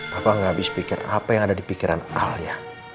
papa gak habis pikir apa yang ada di pikiran al ya